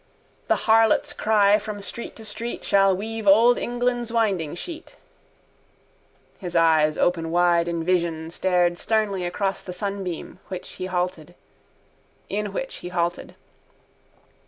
The harlot's cry from street to street Shall weave old England's windingsheet. His eyes open wide in vision stared sternly across the sunbeam in which he halted.